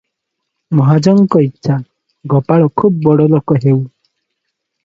ମହାଜଙ୍କ ଇଛା, ଗୋପାଳ ଖୁବ ବଡ଼ ଲୋକ ହେଉ ।